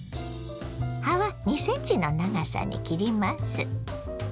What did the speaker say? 葉は２ｃｍの長さに切ります。